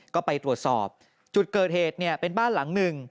ก็ไปตรวจสอบจุดเกิดเหตุเนี่ยเป็นบ้านหลังหนึ่ง